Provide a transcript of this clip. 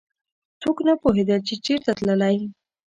څوک نه پوهېدل چې چېرته تللی.